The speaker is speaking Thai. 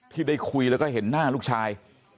ที่ได้คุยแล้วก็เห็นหน้าลูกชาย